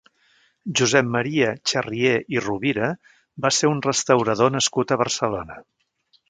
Josep Maria Xarrié i Rovira va ser un restaurador nascut a Barcelona.